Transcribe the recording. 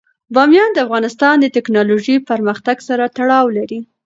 بامیان د افغانستان د تکنالوژۍ پرمختګ سره تړاو لري.